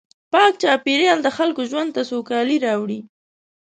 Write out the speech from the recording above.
پاک چاپېریال د خلکو ژوند ته سوکالي راوړي.